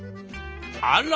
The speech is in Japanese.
あら！